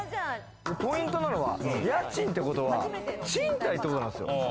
ポイントなのは、家賃ってことは賃貸ってことなんですよ。